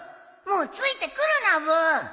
もう付いてくるなブー！